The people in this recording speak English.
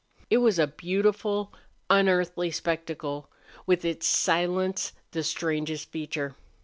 It was a beautiful, unearthly spectacle, with its silence the strangest feature.